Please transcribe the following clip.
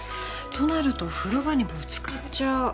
となると風呂場にぶつかっちゃう。